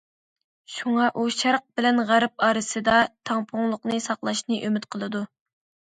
شۇڭا ئۇ شەرق بىلەن غەرب ئارىسىدا تەڭپۇڭلۇقنى ساقلاشنى ئۈمىد قىلىدۇ.